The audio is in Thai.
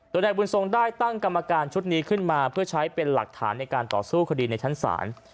โดยนายบุญทรงได้ตั้งกรรมการชุดนี้ขึ้นมาเพื่อใช้เป็นหลักฐานในการต่อสู้คดีในชั้นศาล